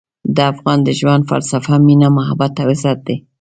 د افغان د ژوند فلسفه مینه، محبت او عزت دی.